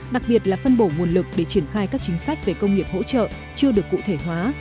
đặc biệt là phân bổ nguồn lực để triển khai các chính sách về công nghiệp hỗ trợ chưa được cụ thể hóa